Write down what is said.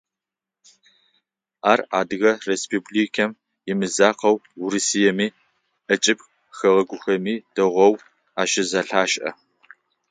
Ар Адыгэ Республикэм имызакъоу Урысыеми, ӏэкӏыб хэгъэгухэми дэгъоу ащызэлъашӏэ.